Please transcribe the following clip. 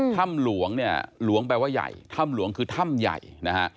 ถ้ำหลวงเนี่ยหลวงแปลว่าใหญ่ถ้ำหลวงคือถ้ำใหญ่นะฮะ